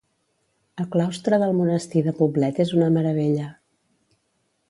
El claustre del monestir de Poblet és una meravella.